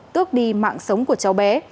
tước đi mạng sống của cháu bé